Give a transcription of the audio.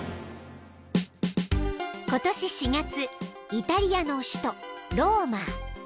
［今年４月イタリアの首都ローマ］